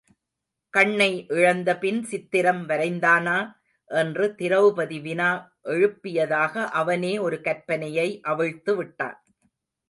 கண்ணை இழந்தபின் சித்திரம் வரைந்தானா? என்று திரெளபதி வினா எழுப்பியதாக அவனே ஒரு கற்பனையை அவிழ்த்துவிட்டான்.